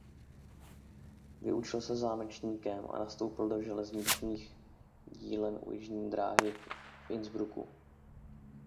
Vyučil se zámečníkem a nastoupil do železničních dílen u Jižní dráhy v Innsbrucku.